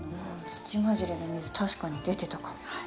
土混じりの水確かに出てたかも。